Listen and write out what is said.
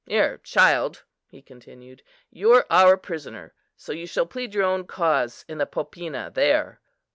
Here, child," he continued, "you're our prisoner; so you shall plead your own cause in the popina there.